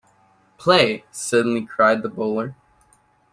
‘Play!’ suddenly cried the bowler.